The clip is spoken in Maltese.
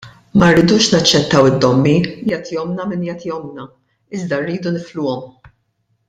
Ma rridux naċċettaw id-dommi, jagħtihomlna min jagħtihomlna, iżda rridu nifluhom!